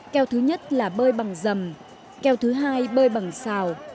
keo thứ nhất là bơi bằng dầm keo thứ hai bơi bằng xào